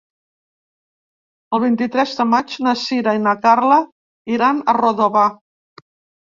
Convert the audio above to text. El vint-i-tres de maig na Sira i na Carla iran a Redovà.